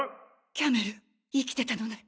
キャメル生きてたのね。